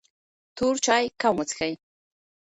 تور چای کم وڅښئ.